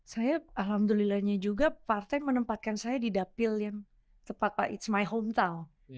saya alhamdulillahnya juga part time menempatkan saya di dapil yang tepat pak it's my hometown